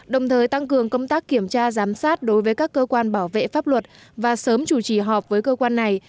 đồng thời tăng cường công tác kiểm tra giám sát đối với các cơ quan bảo vệ pháp luật và sớm chủ trì họp với cơ quan này